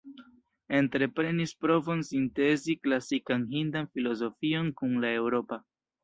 Entreprenis provon sintezi klasikan hindan filozofion kun la eŭropa.